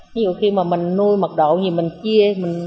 ví dụ khi mà mình nuôi mật độ thì mình chia